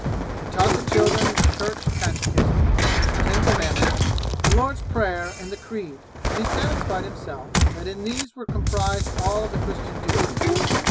He taught the children the Church catechism, the ten commandments, the Lord's prayer, and the Creed, and he satisfied himself, that in these were comprised all the Christian duties.